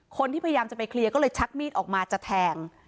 พยายามจะไปเคลียร์ก็เลยชักมีดออกมาจะแทง